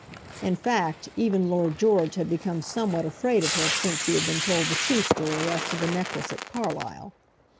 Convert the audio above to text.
In fact, even Lord George had become somewhat afraid of her since he had been told the true story as to the necklace at Carlisle.